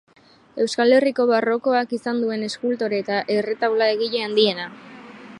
Euskal Herriko barrokoak izan duen eskultore eta erretaula-egile handiena.